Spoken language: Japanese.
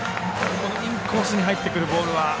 このインコースに入ってくるボールは。